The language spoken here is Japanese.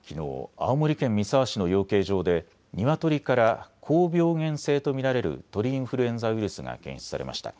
青森県三沢市の養鶏場でニワトリから高病原性と見られる鳥インフルエンザウイルスが検出されました。